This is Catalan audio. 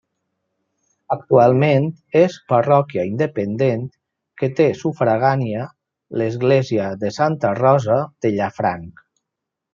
Actualment és parròquia independent que té sufragània l'església de Santa Rosa de Llafranc.